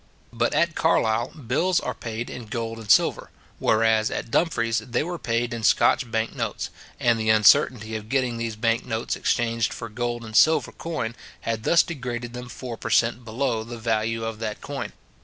But at Carlisle, bills were paid in gold and silver; whereas at Dumfries they were paid in Scotch bank notes; and the uncertainty of getting these bank notes exchanged for gold and silver coin, had thus degraded them four per cent. below the value of that coin.